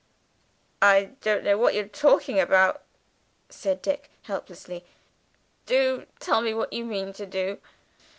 "I don' know what you're talking about!" said Dick helplessly. "Do tell me what you mean to do."